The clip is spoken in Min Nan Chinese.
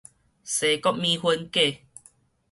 西國麵粉粿